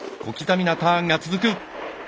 小刻みなターンが続く。